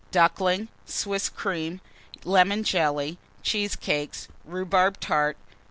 Ducklings. Swiss Cream. Lemon Jelly. Cheesecakes. Rhubarb Tart.